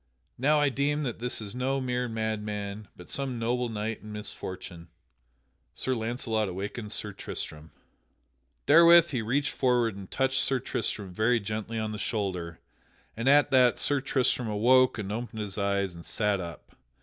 Now I deem that this is no mere madman, but some noble knight in misfortune." [Sidenote: Sir Launcelot awakens Sir Tristram] Therewith he reached forward and touched Sir Tristram very gently on the shoulder, and at that Sir Tristram awoke and opened his eyes and sat up.